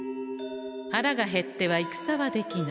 腹が減っては戦はできぬ。